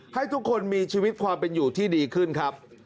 ให้ทุกคนมีชีวิตความเป็นอยู่ที่ดีขึ้นครับ